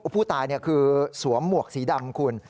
ผู้ตายคือสวมหมวกสีดำคุณ